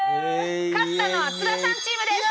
勝ったのは津田さんチームです！